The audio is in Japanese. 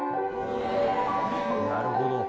なるほど。